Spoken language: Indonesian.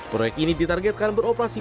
proyek ini ditargetkan beroperasi